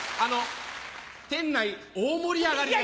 店内大盛り上がりです。